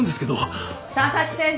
佐々木先生